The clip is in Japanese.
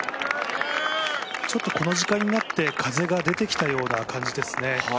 この時間になって、風が出てきたような感じですね。